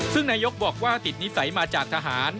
ซึ่งนายกบอกว่าติดนิสัยมาจากทหาร